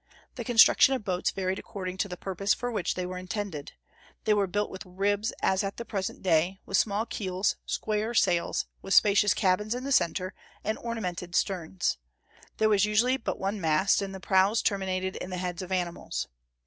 The construction of boats varied according to the purpose for which they were intended. They were built with ribs as at the present day, with small keels, square sails, with spacious cabins in the centre, and ornamented sterns; there was usually but one mast, and the prows terminated in the heads of animals.